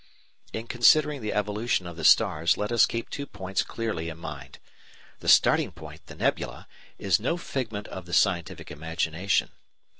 In considering the evolution of the stars let us keep two points clearly in mind. The starting point, the nebula, is no figment of the scientific imagination.